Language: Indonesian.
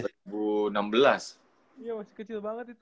iya masih kecil banget itu